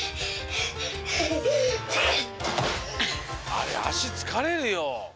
あれあしつかれるよ！